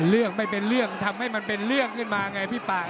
เรื่องไม่เป็นเรื่องทำให้มันเป็นเรื่องขึ้นมาไงพี่ปาก